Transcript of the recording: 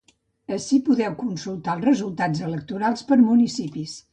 Ací podeu consultar els resultats electorals per municipis.